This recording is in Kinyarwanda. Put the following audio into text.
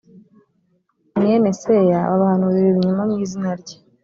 mwene seya babahanurira ibinyoma mu izina rye